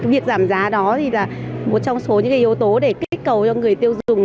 việc giảm giá đó thì là một trong số những yếu tố để kích cầu cho người tiêu dùng